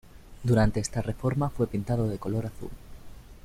Durante esta reforma fue pintado de color azul.